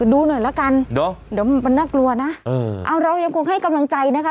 ดูหน่อยละกันเดี๋ยวมันน่ากลัวนะเออเอาเรายังคงให้กำลังใจนะคะ